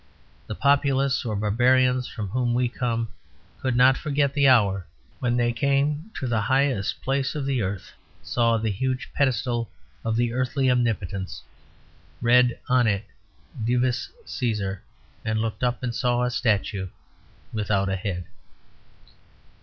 The populace or barbarians from whom we come could not forget the hour when they came to the highest place of the earth, saw the huge pedestal of the earthly omnipotence, read on it Divus Caesar, and looked up and saw a statue without a head.